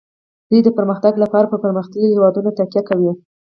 دوی د پرمختګ لپاره په پرمختللو هیوادونو تکیه کوي